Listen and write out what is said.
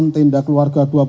tenda keluarga dua puluh